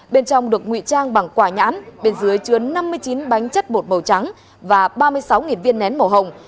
bên trong được ngụy trang bằng quả nhãn bên dưới chứa năm mươi chín bánh chất bột màu trắng và ba mươi sáu viên nén màu hồng